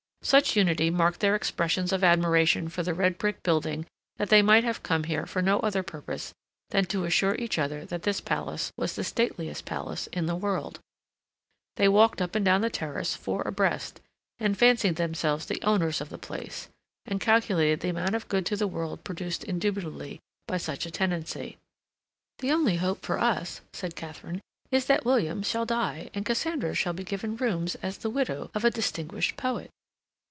Such unity marked their expressions of admiration for the red brick building that they might have come there for no other purpose than to assure each other that this palace was the stateliest palace in the world. They walked up and down the Terrace, four abreast, and fancied themselves the owners of the place, and calculated the amount of good to the world produced indubitably by such a tenancy. "The only hope for us," said Katharine, "is that William shall die, and Cassandra shall be given rooms as the widow of a distinguished poet."